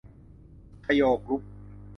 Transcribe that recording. ชโย กรุ๊ป